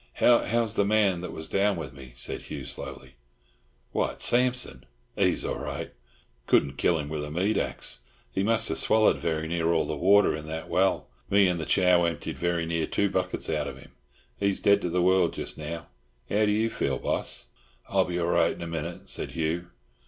"How's the—man that—was down with me?" said Hugh slowly. "What, Sampson? 'E's all right. Couldn't kill'm with a meat axe. He must ha' swallowed very near all the water in that well. Me an' the Chow emptied very near two buckets out of him. He's dead to the world jes' now. How do you feel, boss?" "I'll be all right in a minute," said Hugh.